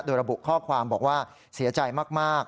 โดยระบุข้อความบอกว่าเสียใจมาก